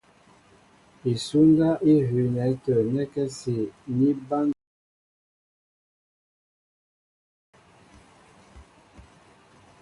Isúndáp í hʉʉnɛ tə̂ nɛ́kɛ́si ní bántíní byɛ̌m kɛ́ áhə́ ŋgeŋ.